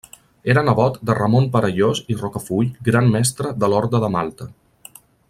Era nebot de Ramon Perellós i Rocafull Gran Mestre de l'Orde de Malta.